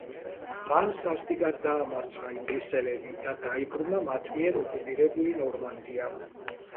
მან სასტიკად დაამარცხა ინგლისელები და დაიბრუნა მათ მიერ ოკუპირებული ნორმანდია.